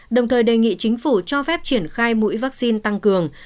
đồng thời đề nghị chính phủ cho phép triển khai mũi vaccine tăng cường